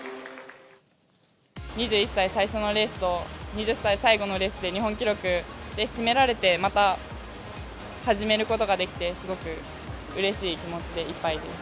２１歳最初のレースと、２０歳最後のレースで日本記録で締められて、また始めることができてすごくうれしい気持ちでいっぱいです。